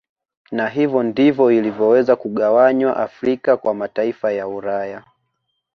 Na hivyo ndivyo ilivyoweza kugawanywa Afrika kwa mataifa ya Ulaya